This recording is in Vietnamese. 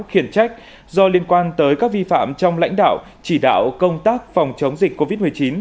khiển trách do liên quan tới các vi phạm trong lãnh đạo chỉ đạo công tác phòng chống dịch covid một mươi chín